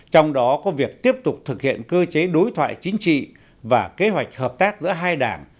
trong đó có việc tiếp tục thực hiện cơ chế đối thoại chính trị và kế hoạch hợp tác giữa hai đảng